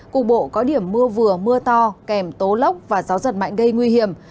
cục bộ có điểm mưa vừa mưa to kèm tố lốc và gió giật mạnh gây nguy hiểm